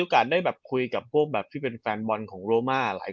ได้แบบคุยกับพวกแบบที่เป็นแฟนบอลของโรมาหลายคน